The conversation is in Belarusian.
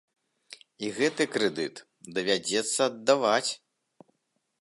І гэты крэдыт давядзецца аддаваць.